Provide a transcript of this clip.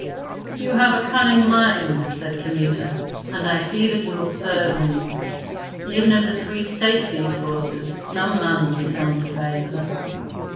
"You have a cunning mind," said Kmita, "and I see that you will serve me. Even if the Swedes take these horses, some man will be found to pay for them."